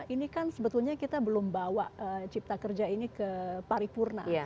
ini kan sebetulnya kita belum bawa cipta kerja ini ke paripurna